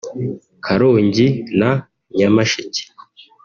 Karongi na Nyamasheke